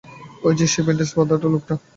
ওই সেই ব্যান্ডেজ বাঁধা লোকটা।